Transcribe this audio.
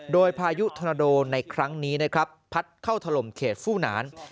โดยพายุธนาโดในครั้งนี้นะครับพัดเข้าถล่มเขตฟู่หนาน